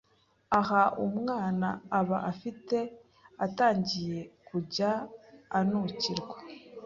Aha umwana aba atangiye kujya anukirwa,